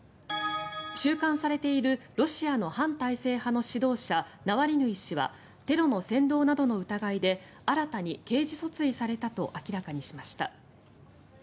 収監されているロシアの反体制派の指導者ナワリヌイ氏はテロの扇動などの疑いで新たに刑事訴追されたと明らかにしました。